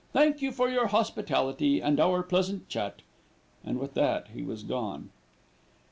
Thank you for your hospitality and our pleasant chat," and with that he was gone.